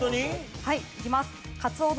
はいいきます。